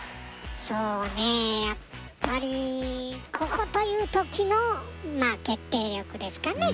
そうね、やっぱりここという時の決定力ですかね。